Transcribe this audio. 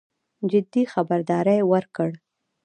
جدي خبرداری ورکړ.